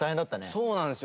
そうなんですよ。